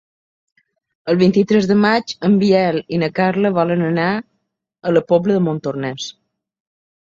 El vint-i-tres de maig en Biel i na Carla volen anar a la Pobla de Montornès.